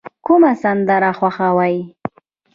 کومه سندره خوښوئ؟